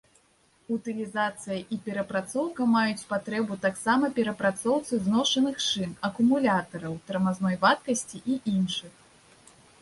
Утылізацыя і перапрацоўка маюць патрэбу таксама перапрацоўцы зношаных шын, акумулятараў, тармазной вадкасці і іншых.